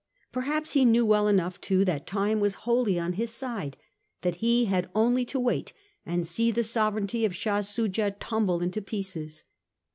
Perhaps he knew well enough too that time was wholly on his side ; that he had only to wait and see the sovereignty of Shah Soojah tumble into pieces.